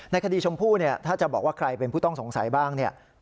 ในคดีชมพู่ถ้าจะบอกว่าใครเป็นผู้ต้องสงสัยบ้าง